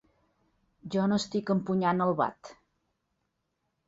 Jo no estic empunyant el bat.